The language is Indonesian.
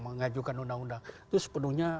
mengajukan undang undang itu sepenuhnya